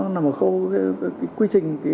nằm ở khâu quy trình